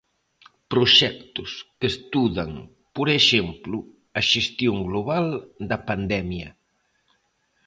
Proxectos que estudan, por exemplo, a xestión global da pandemia.